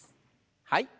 はい。